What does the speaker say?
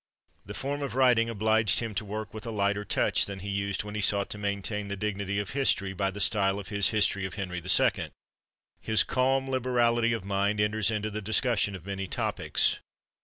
The form of writing obliged him to work with a lighter touch than he used when he sought to maintain the dignity of history by the style of his "History of Henry II." His calm liberality of mind enters into the discussion of many topics.